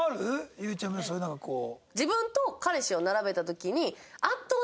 ゆうちゃみはそういうなんかこう。